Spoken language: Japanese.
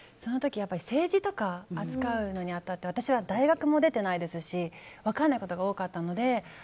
政治とかを扱うに当たって私は大学も出てないですし分からないことが多かったので。